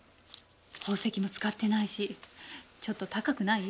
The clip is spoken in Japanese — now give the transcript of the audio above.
宝石も使ってないしちょっと高くない？